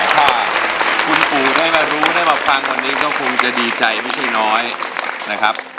ถ้าคุณปู่ได้มารู้ได้มาฟังวันนี้ก็คงจะดีใจไม่ใช่น้อยนะครับ